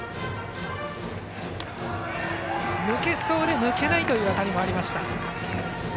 抜けそうで抜けないという当たりもありました。